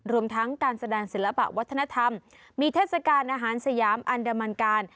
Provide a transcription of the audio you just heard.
รวมทั้งการแสดงศิลปะวัฒนธรรมมีเทศกาลอาหารสยามอันดามันการ